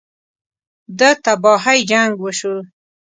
ده تباهۍ جـنګ وشو.